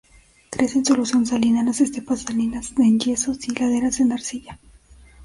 Crece en solución salina en las estepas salinas, en yesos y laderas de arcilla.